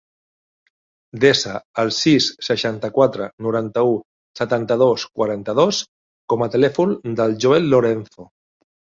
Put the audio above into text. Desa el sis, seixanta-quatre, noranta-u, setanta-dos, quaranta-dos com a telèfon del Joel Lorenzo.